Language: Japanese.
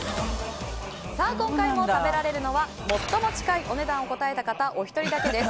今回も食べられるのは最も近いお値段を答えた方お一人だけです。